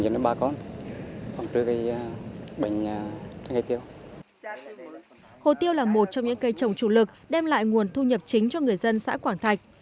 hồ tiêu là một trong những cây trồng chủ lực đem lại nguồn thu nhập chính cho người dân xã quảng thạch